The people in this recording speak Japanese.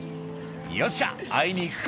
「よっしゃ会いに行くか」